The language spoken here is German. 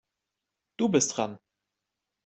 Du bist dran.